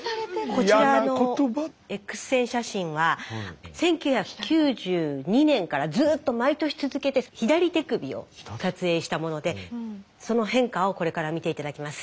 こちらのＸ線写真は１９９２年からずっと毎年続けて左手首を撮影したものでその変化をこれから見て頂きます。